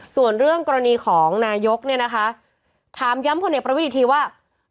ส่วนเรื่องกรณีของนาฬิกษ์เนี้ยนะคะถามย้ำพ่อเนยกอีธีว่า